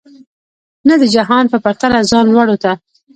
نه د جهان په پرتله ځان لوړولو ته.